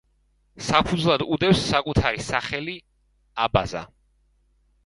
საფუძვლად უდევს საკუთარი სახელი „აბაზა“.